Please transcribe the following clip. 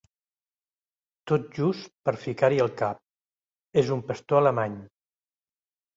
Tot just per ficar-hi el cap. És un pastor alemany.